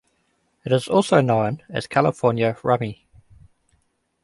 It is also known as California rummy.